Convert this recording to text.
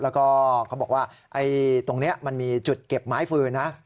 แล้วก็เขาบอกว่าตรงนี้มันมีจุดเก็บไม้ฟืนนะ